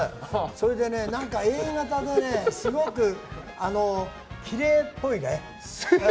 それでね、Ａ型でねすごくきれいっぽいね。